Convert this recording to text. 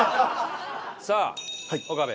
さあ岡部